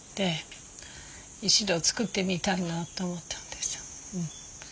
一度作ってみたいなと思ったんです。